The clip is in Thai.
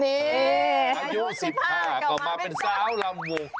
นี่อายุ๑๕กลัวมาเป็นสาวลำวง